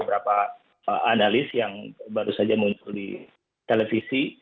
beberapa analis yang baru saja muncul di televisi